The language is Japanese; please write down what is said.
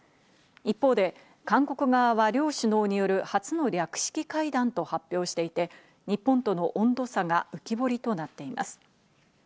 一方で韓国側は両首脳による初の略式会談と発表していて、日本との温度差が浮き彫りとなっています。